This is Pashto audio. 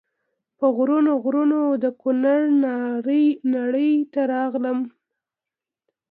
په غرونو غرونو د کونړ ناړۍ ته راغلم.